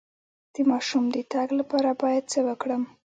د ماشوم د تګ لپاره باید څه وکړم؟